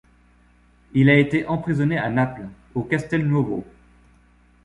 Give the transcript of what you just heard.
Il a été emprisonné à Naples, au Castel Nuovo.